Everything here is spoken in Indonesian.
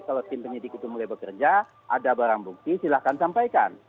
kalau tim penyidik itu mulai bekerja ada barang bukti silahkan sampaikan